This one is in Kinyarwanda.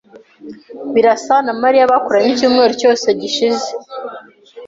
Birasa na Mariya bakoranye icyumweru cyose gishize.